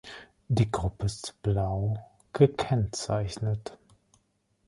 Die Gruppe ist blau gekennzeichnet.